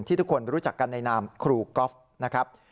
ทุกคนรู้จักกันในนามครูก๊อฟนะครับ